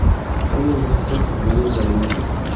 Fue ministro en varios gabinetes.